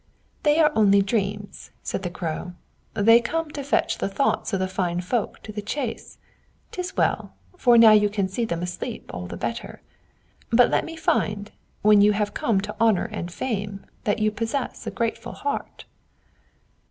"They are only dreams," said the Crow. "They come to fetch the thoughts of the fine folk to the chase; 'tis well, for now you can see them asleep all the better. But let me find, when you come to have honor and fame, that you possess a grateful heart."